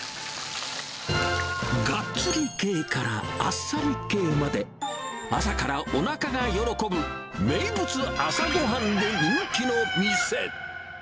がっつり系からあっさり系まで、朝からおなかが喜ぶ、名物朝ごはんで人気の店。